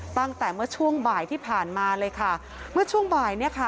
ตั้งแต่เมื่อช่วงบ่ายที่ผ่านมาเลยค่ะเมื่อช่วงบ่ายเนี่ยค่ะ